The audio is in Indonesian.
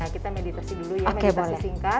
kita meditasi dulu ya meditasi singkat